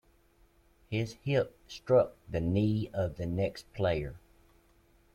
His hip struck the knee of the next player.